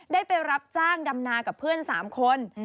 ได้ไปรับจ้างดำนากับเพื่อน๓คน